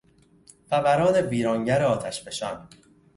فوران ویرانگر آتشفشان